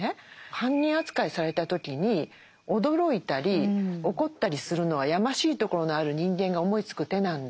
犯人扱いされた時に驚いたり怒ったりするのはやましいところのある人間が思いつく手なんだと。